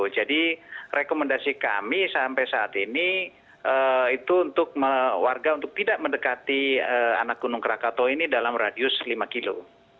jadi rekomendasi kami sampai saat ini itu untuk warga untuk tidak mendekati anak gunung rakatau ini dalam radius lima kilo